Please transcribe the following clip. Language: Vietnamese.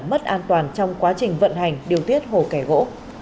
mất an toàn trong quá trình vận hành điều tiết hồ kẻ gỗ